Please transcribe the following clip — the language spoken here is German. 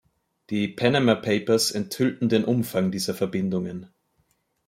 Die Panama Papers enthüllten den Umfang dieser Verbindungen.